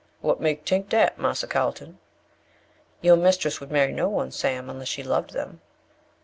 "What make tink dat, Marser Carlton?" "Your mistress would marry no one, Sam, unless she loved them."